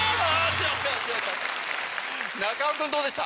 中尾君どうでした？